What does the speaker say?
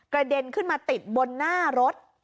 เด็นขึ้นมาติดบนหน้ารถ